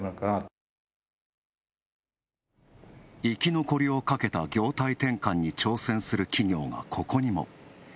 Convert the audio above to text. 生き残りをかけた業態転換に挑戦する企業が、ここにも。